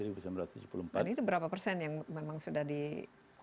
jadi itu berapa persen yang memang sudah digunakan